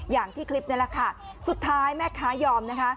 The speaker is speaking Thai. อย่างที่คลิปนี้แหละค่ะสุดท้ายแม่ค้ายอมนะคะ